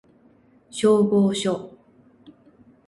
消防署